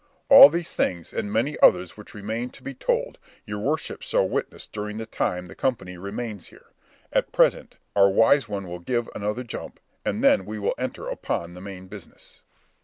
All these things, and many others which remain to be told, your worships shall witness during the time the company remains here. At present, our wise one will give another jump, and then we will enter upon the main business."